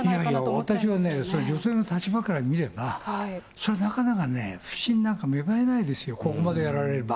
いやいや、私は女性の立場から見れば、それ、なかなかね、不審なんか芽生えないですよ、ここまでやられれば。